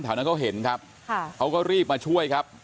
แถวนั้นเขาเห็นครับเขาก็รีบมาช่วยครับ